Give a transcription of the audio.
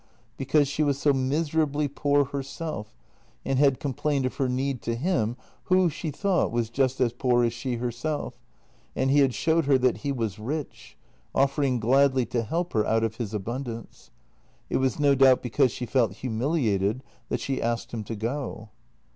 Because she was so mis erably poor herself and had complained of her need to him who, she thought, was just as poor as she herself, and he had showed her that he was rich, offering gladly to help her out of his abundance. It was no doubt because she felt humiliated that she asked him to go.